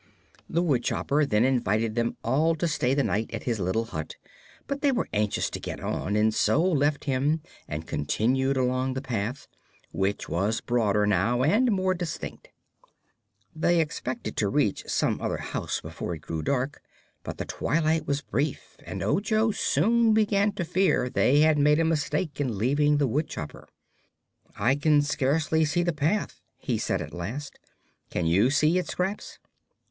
The woodchopper then invited them all to stay the night at his little hut, but they were anxious to get on and so left him and continued along the path, which was broader, now, and more distinct. They expected to reach some other house before it grew dark, but the twilight was brief and Ojo soon began to fear they had made a mistake in leaving the woodchopper. "I can scarcely see the path," he said at last. "Can you see it, Scraps?"